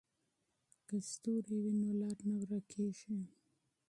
که ستوري وي نو لار نه ورکېږي.